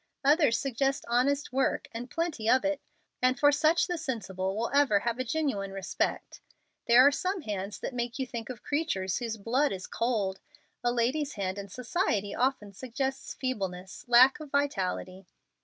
Others suggest honest work and plenty of it, and for such the sensible will ever have a genuine respect. There are some hands that make you think of creatures whose blood is cold. A lady's hand in society often suggests feebleness, lack of vitality.